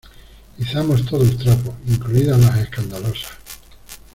izamos todo el trapo, incluidas las escandalosas.